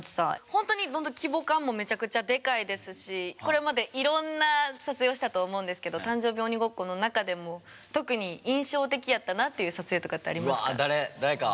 ほんとに規模感もめちゃくちゃでかいですしこれまでいろんな撮影をしたと思うんですけど「誕生日鬼ごっこ」の中でも特に印象的やったなっていう撮影とかってありますか？